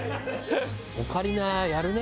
オカリナやるね！